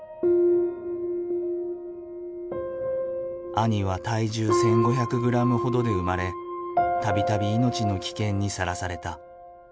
兄は体重１，５００グラムほどで生まれ度々命の危険にさらされた。